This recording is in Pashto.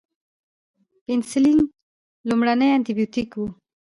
پنسلین لومړنی انټي بیوټیک و